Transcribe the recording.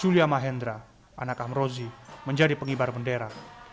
julia mahendra anak amrozi menjadi pengibar bendera